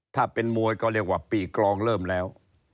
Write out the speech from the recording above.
ถ้าเป็นมวยก็เรียกว่าปีกรองเริ่มแล้ว